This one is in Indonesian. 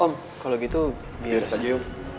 om kalau gitu biar saja yuk